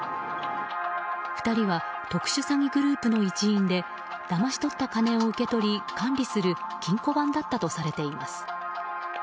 ２人は特殊詐欺グループの一員でだまし取った金を受け取り管理する金庫番だったとされています。